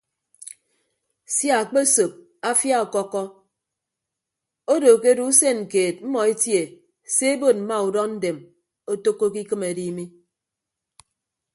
Sia akpesop afia ọkọkkọ odo ke odo usen keed mmọ etie se ebod mma udọ ndem otәkkoke ikịm edi mi.